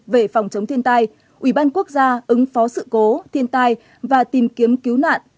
về phòng chống thiên tai ủy ban quốc gia ứng phó sự cố thiên tai và tìm kiếm cứu nạn